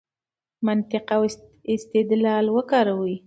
منطق او استدلال وکاروئ.